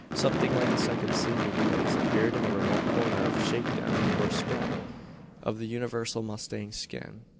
Something like a second sleeping place appeared in a remote corner a "shakedown," or "spread," of the universal mustang skin.